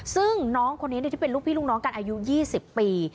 ซึ่งน้องคนนี้ที่เป็นลูกพี่ลูกน้องกันอายุ๒๐ปี